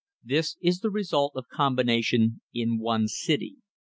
This is the result of combination in one city.